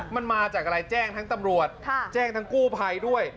มันมาจากอะไรแจ้งทั้งตำรวจแจ้งทั้งกู้ภัยด้วย